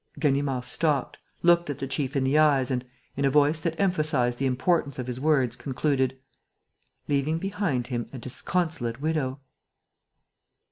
Ganimard stopped, looked the chief in the eyes and, in a voice that emphasized the importance of his words, concluded: "Leaving behind him a disconsolate widow."